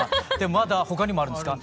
まだ他にもあるんですか？